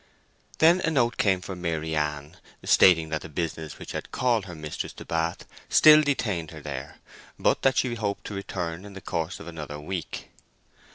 Then a note came for Maryann, stating that the business which had called her mistress to Bath still detained her there; but that she hoped to return in the course of another week.